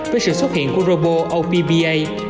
với sự xuất hiện của robo oppa